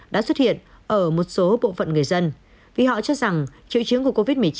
đã xuất hiện ở một số bộ phận người dân vì họ cho rằng triệu chứng của covid một mươi chín